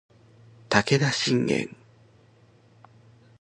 武田信玄